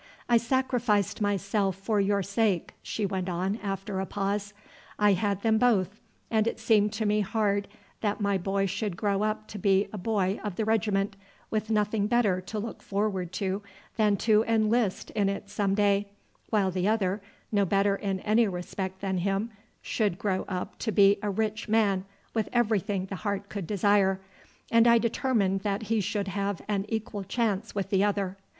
"I sacrificed myself for your sake," she went on after a pause. "I had them both, and it seemed to me hard that my boy should grow up to be a boy of the regiment, with nothing better to look forward to than to enlist in it some day, while the other, no better in any respect than him, should grow up to be a rich man, with everything the heart could desire, and I determined that he should have an equal chance with the other.